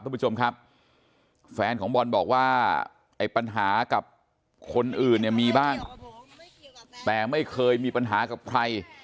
คุณผู้ชมครับแฟนของบอลบอกว่าไอ้ปัญหากับคนอื่นเนี่ยมีบ้างแต่ไม่เคยมีปัญหากับใคร